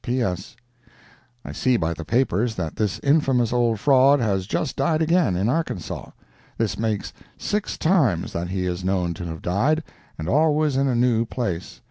P.S. I see by the papers that this infamous old fraud has just died again, in Arkansas. This makes six times that he is known to have died, and always in a new place.